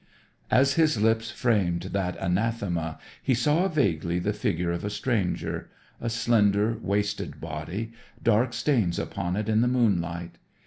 As his lips framed that anathema he saw vaguely the figure of a stranger; a slender, wasted body, dark stains upon it in the moonlight.